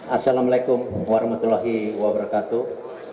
assalamu'alaikum warahmatullahi wabarakatuh